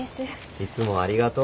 いつもありがとう。